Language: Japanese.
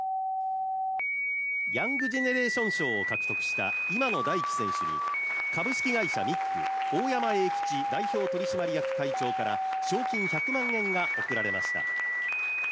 ヤングジェネレーション賞を獲得した今野大喜選手に株式会社ミック大山永吉代表取締役会長から賞金１００万円が贈られました。